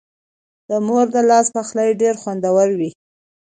د مور د لاس پخلی ډېر خوندور وي.